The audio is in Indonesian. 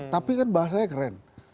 tapi kan bahasanya keren